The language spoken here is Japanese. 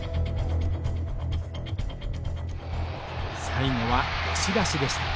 最後は押し出しでした。